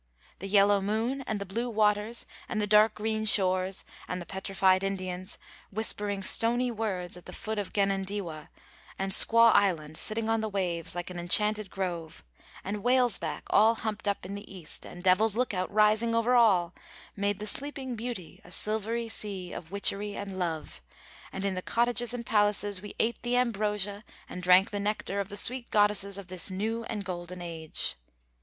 The yellow moon and the blue waters and the dark green shores and the petrified Indians, whispering stony words at the foot of Genundewah, and Squaw Island sitting on the waves, like an enchanted grove, and 'Whalesback' all humped up in the East and 'Devil's Lookout' rising over all, made the 'Sleeping Beauty' a silver sea of witchery and love; and in the cottages and palaces we ate the ambrosia and drank the nectar of the sweet goddesses of this new and golden age.